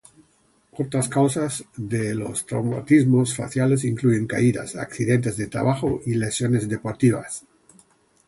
Otras causas de los traumatismos faciales incluyen caídas, accidentes de trabajo, y lesiones deportivas.